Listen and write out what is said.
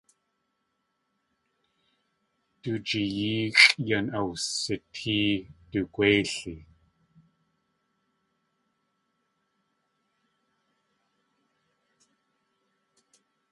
Du jiyeexʼ yan awsitée du gwéili.